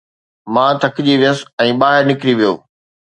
مان ٿڪجي ويس ۽ ٻاهر نڪري ويو